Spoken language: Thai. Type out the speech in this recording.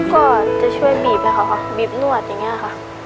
ก็จะช่วยบีบให้เขาค่ะบีบนวดอย่างนี้ค่ะ